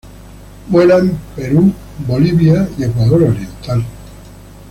Vuela en Perú, Bolivia y Ecuador oriental.